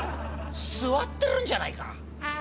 座ってるんじゃないか？